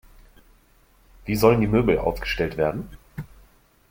Wie sollen die Möbel aufgestellt werden?